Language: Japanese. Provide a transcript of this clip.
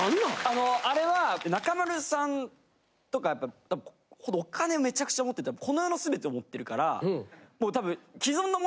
あのあれは中丸さんとかやっぱお金めちゃくちゃ持っててこの世の全てを持ってるからもう多分。